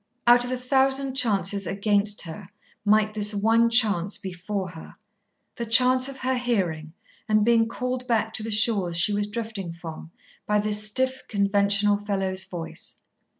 Out of a thousand chances against her, might this one chance be for her, the chance of her hearing, and being called back to the shores she was drifting from, by this stiff, conventional fellow's voice.